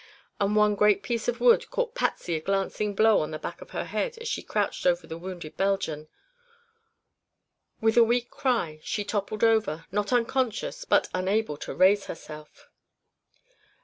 And one great piece of wood caught Patsy a glancing blow on the back of her head as she crouched over the wounded Belgian. With a weak cry she toppled over, not unconscious, but unable to raise herself.